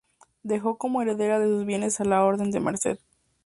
Dejó como heredera de sus bienes a la Orden de la Merced.